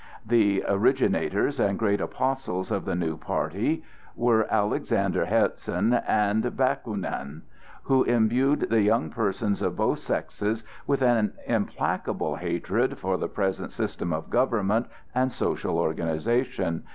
The originators and great apostles of the new party were Alexander Herzen and Bakúnin, who imbued the young persons of both sexes with an implacable hatred for the present system of government and social organization.